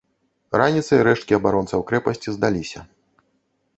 Раніцай рэшткі абаронцаў крэпасці здаліся.